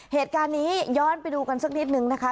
เหตุการณ์นี้ย้อนไปดูกันสักนิดนึงนะคะ